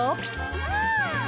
うん！